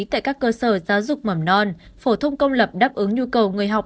tại các cơ sở giáo dục mầm non phổ thông công lập đáp ứng nhu cầu người học